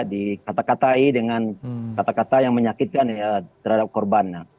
dikata katai dengan kata kata yang menyakitkan terhadap korban